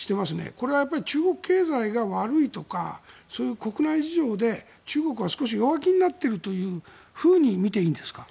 これはやっぱり中国経済が悪いとかそういう国内事情で中国は少し弱気になっているというふうに見ていいんですか？